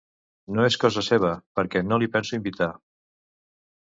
No és cosa seva, perquè no l'hi penso invitar.